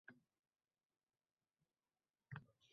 Men oʻsha vaqtlarda raqobatdan charchagan edim.